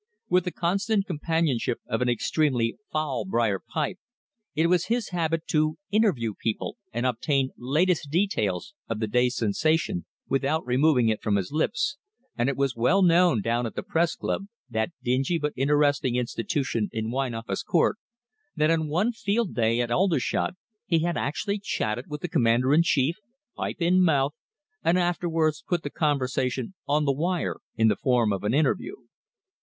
With the constant companionship of an extremely foul briar pipe, it was his habit to "interview" people and obtain "latest details" of the day's sensation without removing it from his lips, and it was well known down at the Press Club, that dingy but interesting institution in Wine Office Court, that on one field day at Aldershot he had actually chatted with the Commander in Chief, pipe in mouth, and afterwards put the conversation "on the wire" in the form of an interview.